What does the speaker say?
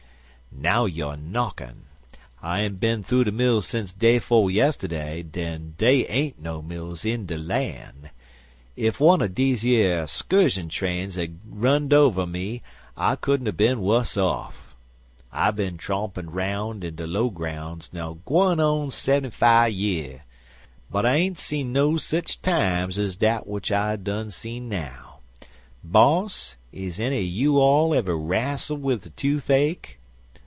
"Now you 'er knockin'. I ain't bin thoo de mill sence day 'fo' yistiddy, den dey ain't no mills in de lan'. Ef wunner deze yer scurshun trains had runned over me I couldn't er bin wuss off. I bin trompin' 'roun' in de lowgroun's now gwine on seventy fi' year, but I ain't see no sich times ez dat w'at I done spe'unst now. Boss, is enny er you all ever rastled wid de toofache?"